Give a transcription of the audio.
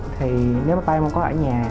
thì nếu mà ba em không có ở nhà